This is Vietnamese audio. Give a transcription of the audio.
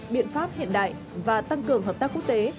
biện pháp hiện đại và tăng cường hợp tác quốc tế